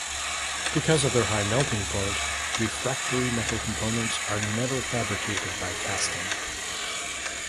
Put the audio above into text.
Because of their high melting point, refractory metal components are never fabricated by casting.